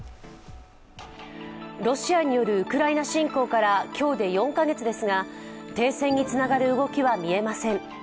ロシアによるウクライナ侵攻から今日で４カ月ですが停戦につながる動きは見えません。